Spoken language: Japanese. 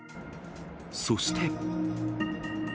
そして。